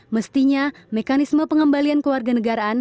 mestinya mekanisme pengembalian kewarganegaraan